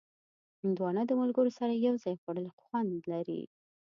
هندوانه د ملګرو سره یو ځای خوړل خوند لري.